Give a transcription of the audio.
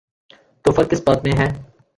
تو فرق کس بات میں ہے؟